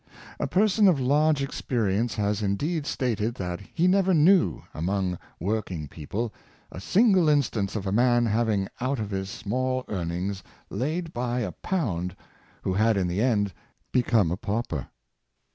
A person of large experience has indeed stated that he never knew, among working peo ple, a single instance of a man having out of his small earnings laid by a pound who had in the end became a pauper.